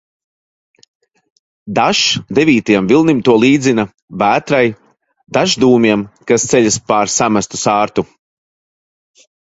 Dažs devītajam vilnim to līdzina, vētrai, dažs dūmiem, kas ceļas pār samestu sārtu.